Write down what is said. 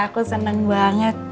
alhamdulillah aku senang banget